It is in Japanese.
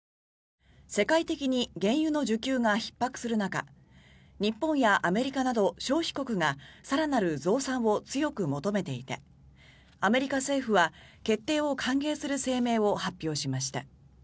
世界的に原油の需給がひっ迫する中日本やアメリカなど消費国が更なる増産を強く求めていてアメリカ政府は決定を歓迎する声明を発表しました。